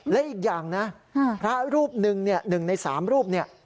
และอีกอย่างนะพระรูปหนึ่งหนึ่งในสามรูปนี้